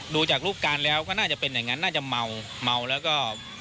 ดูจากรูปการณ์แล้วก็น่าจะเป็นอย่างนั้นน่าจะเมาเมาแล้วก็